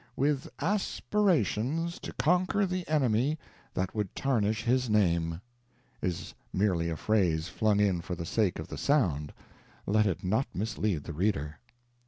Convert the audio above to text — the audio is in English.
"With aspirations to conquer the enemy that would tarnish his name" is merely a phrase flung in for the sake of the sound let it not mislead the reader.